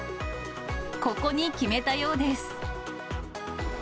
ここに決めたようです。